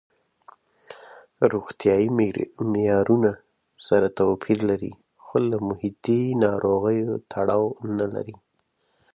روغتیايي معیارونه سره توپیر لري خو له محیطي ناروغیو تړاو نه لري.